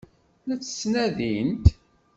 La tt-ttnadint?